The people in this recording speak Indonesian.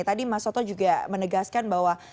tadi mas soto juga menegaskan bahwa